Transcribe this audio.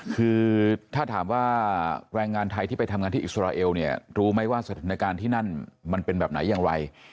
คือถ้าถามว่าแรงงานไทยที่ไปทำงานที่อิสราเอลเนี่ยรู้ไหมว่าสถานการณ์ที่นั่นมันเป็นแบบไหนอย่างไร